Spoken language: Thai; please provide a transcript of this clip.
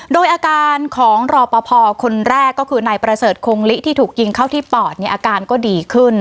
โดยอาการของรอปภคนแรกก็คือนายประเสริฐคงลิที่ถูกยิงเข้าที่ปอดเนี่ยอาการก็ดีขึ้น